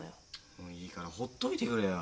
もういいからほっといてくれよ。